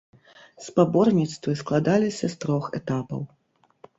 Спаборніцтвы складаліся з трох этапаў.